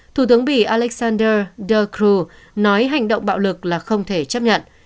thủ tướng bị alexander ducroux nói hành động bạo lực là không thể chấp nhận